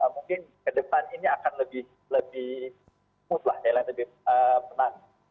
mungkin ke depan ini akan lebih mudah lebih penat